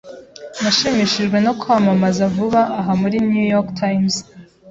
Nashimishijwe nokwamamaza vuba aha muri New York Times.